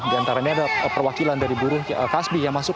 di antaranya ada perwakilan dari buruh kasbi yang masuk